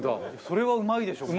それはうまいでしょ！